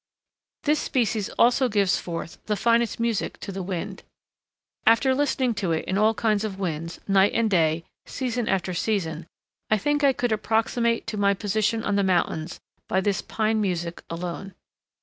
This species also gives forth the finest music to the wind. After listening to it in all kinds of winds, night and day, season after season, I think I could approximate to my position on the mountains by this pine music alone.